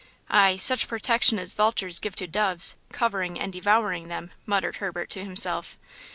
"Aye, such protection as vultures give to doves–covering and devouring them," muttered Herbert to himself.